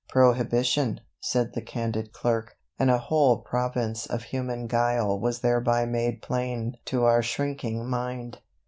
Prohibition, said the candid clerk, and a whole province of human guile was thereby made plain to our shrinking mind.